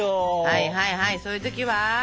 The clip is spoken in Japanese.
はいはいはいそういう時は？